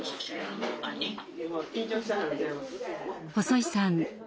細井さん